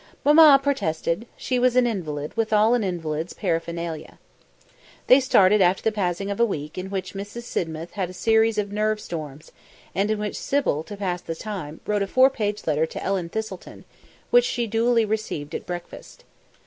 Mamma protested. She was an invalid, with all an invalid's paraphernalia. They started after the passing of a week in which Mrs. Sidmouth had a series of nerve storms, and in which Sybil, to pass the time, wrote a four page letter to Ellen Thistleton, which she duly received at breakfast.